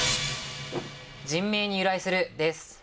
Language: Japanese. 「人名に由来する」です。